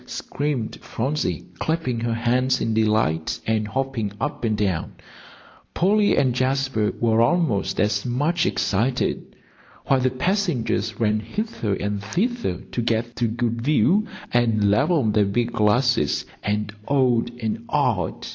screamed Phronsie, clapping her hands in delight, and hopping up and down, Polly and Jasper were almost as much excited, while the passengers ran hither and thither to get a good view, and levelled their big glasses, and oh ed and ah ed.